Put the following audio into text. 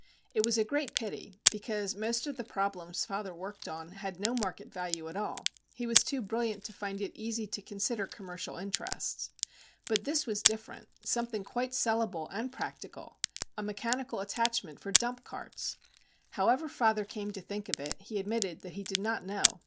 It was a great pity, because most of the problems father worked on had no market value at all:—he was too brilliant to find it easy to consider commercial interests. But this was different,—something quite sellable and practical,—a mechanical attachment for dump carts! How ever father came to think of it, he admitted that he did not know.